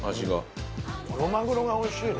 長嶋：このマグロがおいしいね。